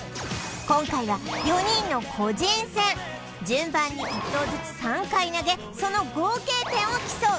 今回は４人の個人戦順番に１投ずつ３回投げその合計点を競う